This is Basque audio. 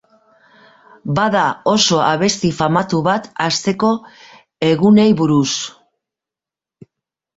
Bada oso abesti famatu bat asteko egunei buruz